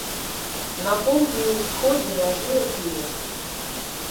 На поўдні і ўсходзе мяжуе з лесам.